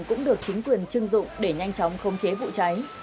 cũng được chính quyền chưng dụng để nhanh chóng khống chế vụ cháy